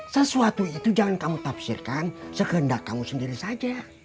sesuatu itu jangan kamu tafsirkan sekehendak kamu sendiri saja